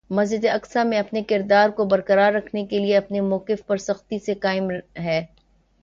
مسجد اقصیٰ میں اپنے کردار کو برقرار رکھنے کے لیے اپنے مؤقف پر سختی سے قائم ہے-